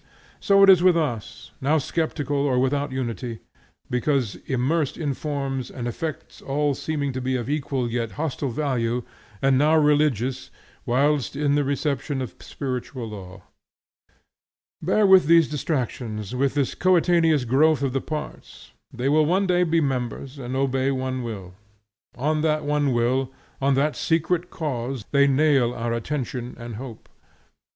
So is it with us, now skeptical or without unity, because immersed in forms and effects all seeming to be of equal yet hostile value, and now religious, whilst in the reception of spiritual law. Bear with these distractions, with this coetaneous growth of the parts; they will one day be members, and obey one will. On that one will, on that secret cause, they nail our attention and hope.